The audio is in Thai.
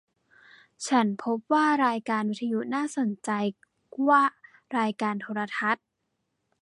ฉันพบว่ารายการวิทยุน่าสนใจว่ารายการโทรทัศน์